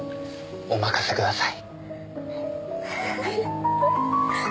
お任せください。